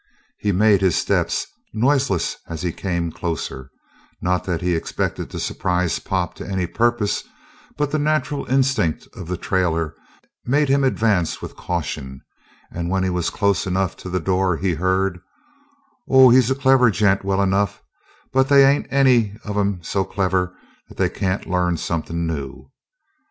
He made his steps noiseless as he came closer, not that he expected to surprise Pop to any purpose, but the natural instinct of the trailer made him advance with caution, and, when he was close enough to the door he heard: "Oh, he's a clever gent, well enough, but they ain't any of 'em so clever that they can't learn somethin' new."